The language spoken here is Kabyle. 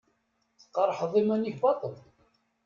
Tqerḥeḍ iman-ik baṭṭel.